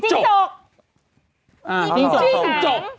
จริงจก